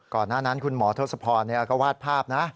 ก่อนหน้านั้นคุณหมอทศพรก็วาดภาพนะ